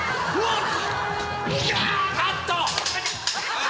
カット！